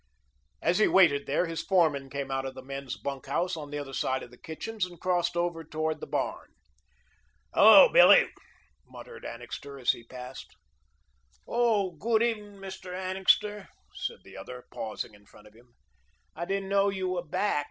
As he waited there, his foreman came out of the men's bunk house, on the other side of the kitchens, and crossed over toward the barn. "Hello, Billy," muttered Annixter as he passed. "Oh, good evening, Mr. Annixter," said the other, pausing in front of him. "I didn't know you were back.